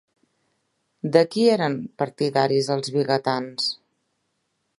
De qui eren partidaris els vigatans?